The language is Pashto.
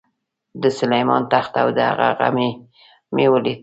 د سلیمان تخت او د هغه غمی مې ولید.